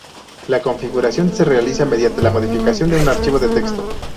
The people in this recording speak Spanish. La configuración se realiza mediante la modificación de un archivo de texto.